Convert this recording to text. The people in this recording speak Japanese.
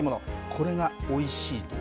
これがおいしいと。